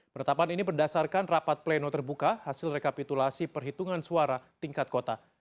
penetapan ini berdasarkan rapat pleno terbuka hasil rekapitulasi perhitungan suara tingkat kota